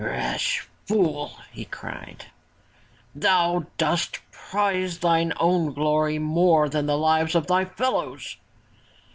" Rash fool !" he cried, "thou dost prize thine own glory more than the lives of thy fellows